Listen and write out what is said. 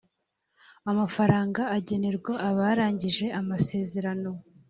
amafaranga agenerwa abarangije amasezerano